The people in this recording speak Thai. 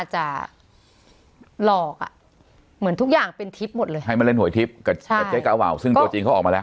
ให้เล่นโหยทิศกับเจ๊เก้าแววซึ่งตัวจริงเขาออกมาแล้ว